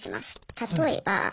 例えば。